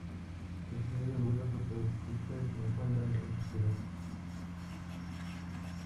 Las oficinas del gobierno subprefectura se encuentran en esta ciudad.